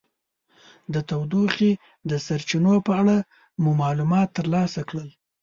د تودوخې د سرچینو په اړه مو معلومات ترلاسه کړل.